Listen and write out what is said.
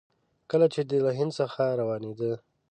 کله چې دی له هند څخه روانېده.